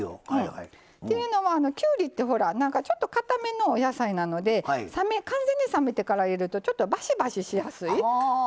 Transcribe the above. というのは、きゅうりってかためのお野菜なので完全に冷めてから入れるとばしばししやすい。